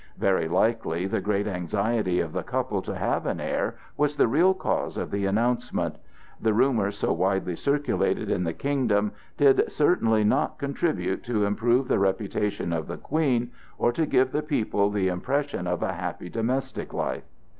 Very likely the great anxiety of the couple to have an heir was the real cause of the announcement. The rumors so widely circulated in the kingdom did certainly not contribute to improve the reputation of the Queen, or to give the people the impression of a happy domestic life.